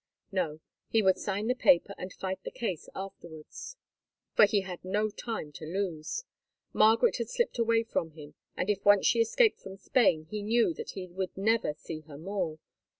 No, he would sign the paper and fight the case afterwards, for he had no time to lose. Margaret had slipped away from him, and if once she escaped from Spain he knew that he would never see her more.